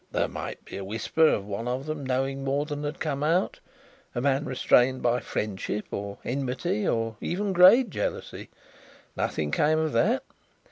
There might be a whisper of one of them knowing more than had come out a man restrained by friendship, or enmity, or even grade jealousy. Nothing came of that.